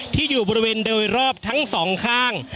ที่อยู่บริเวณโดยรอบทั้งสองข้าง